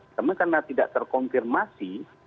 namun karena tidak terkonfirmasi